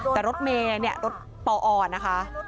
แต่รถเมย์เนี่ยรถปอนะคะ